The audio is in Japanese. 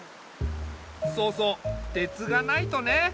そうそう鉄がないとね。